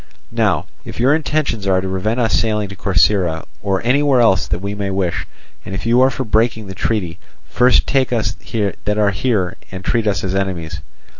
Now if your intentions are to prevent us sailing to Corcyra, or anywhere else that we may wish, and if you are for breaking the treaty, first take us that are here and treat us as enemies."